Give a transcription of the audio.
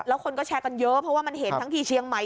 แล้วคนก็แชร์กันเยอะเพราะว่ามันเห็นทั้งที่เชียงใหม่